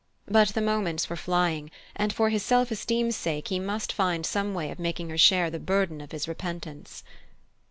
But the moments were flying, and for his self esteem's sake he must find some way of making her share the burden of his repentance.